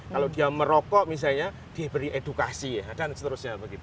kalau dia merokok misalnya diberi edukasi dan seterusnya